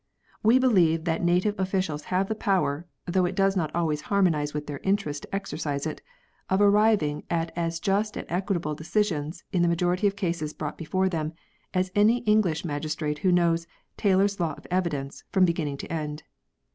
We believe that native officials have the power, though it does not always harmonise with their interests to exercise it, of arriving at as just and equitable de cisions in the majority of cases brouglit before them, as any English magistrate who knows "" Taylor's Law of Evidence " from beginning to end.